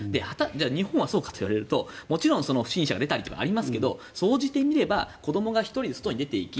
日本はそうかといわれるともちろん不審者が出たりとかありますけれど総じて見れば子どもが１人で外に出ていき